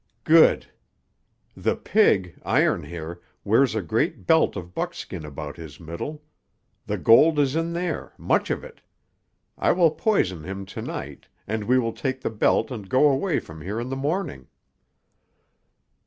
"Good. The pig, Iron Hair, wears a great belt of buckskin about his middle. The gold is in there, much of it. I will poison him to night, and we will take the belt and go away from here in the morning."